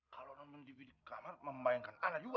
kalau nombor tv di kamar membayangkan ana juga